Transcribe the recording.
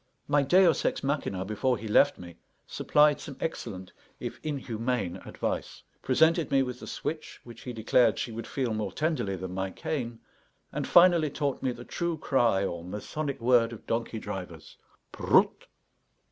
My deus ex machinâ, before he left me, supplied some excellent, if inhumane, advice; presented me with the switch, which he declared she would feel more tenderly than my cane; and finally taught me the true cry or masonic word of donkey drivers, "Proot!"